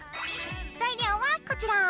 材料はこちら。